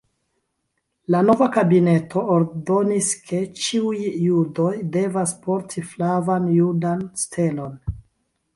La nova kabineto ordonis, ke ĉiuj judoj devas porti flavan judan stelon.